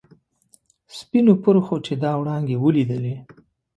سپینو پرخو چې دا وړانګې ولیدلي.